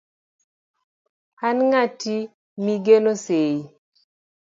an ng'ati migeno sei